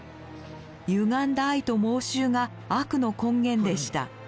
ゆがんだ愛と妄執が悪の根源でした。